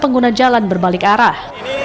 pengguna jalan berbalik arah